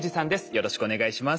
よろしくお願いします。